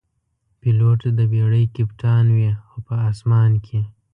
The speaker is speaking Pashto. پیلوټ د بېړۍ کپتان وي، خو په آسمان کې.